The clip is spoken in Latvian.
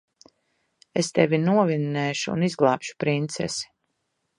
Es tevi novinnēšu un izglābšu princesi.